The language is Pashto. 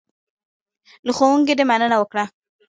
له ښوونکي دې مننه وکړه .